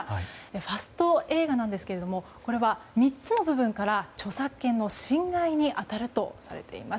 ファスト映画なんですけどもこれは３つの部分から著作権の侵害に当たるとされています。